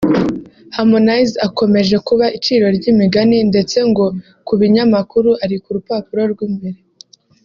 Harmonize akomeje kuba iciro ry’imigani ndetse ngo ku binyamakuru ari ku rupapuro rw'imbere